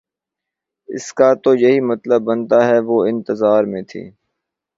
اس کا تو یہی مطلب بنتا ہے وہ انتظار میں تھی